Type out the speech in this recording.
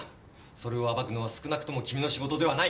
それを暴くのは少なくとも君の仕事ではない。